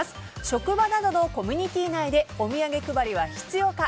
職場などのコミュニティー内でお土産配り必要か？